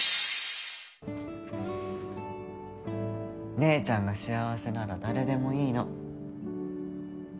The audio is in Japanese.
姉ちゃんが幸せなら誰でもいいの。